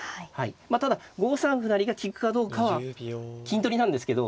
まあただ５三歩成が利くかどうかは金取りなんですけど。